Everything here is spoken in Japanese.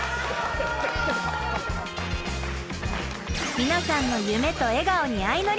皆さんの夢と笑顔にあいのり。